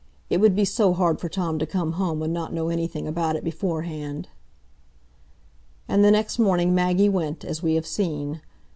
It would be so hard for Tom to come home and not know anything about it beforehand." And the next morning Maggie went, as we have seen.